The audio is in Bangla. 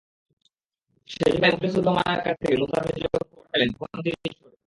সেজো ভাই মোখলেছুর রহমানের কাছ থেকে মুস্তাফিজ যখন খবরটা পেলেন, তখন তিনি যশোরে।